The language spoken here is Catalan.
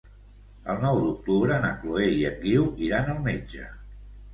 El nou d'octubre na Chloé i en Guiu iran al metge.